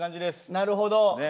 なるほど。